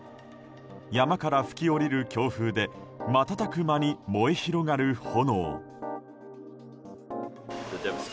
山から吹き下りる強風で瞬く間に燃え広がる炎。